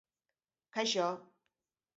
Kaixo!